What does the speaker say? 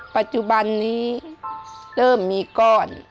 ปัจจุบันนี้เริ่มมีก้อน